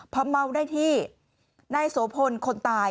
พอเมาได้ที่นายโสพลคนตาย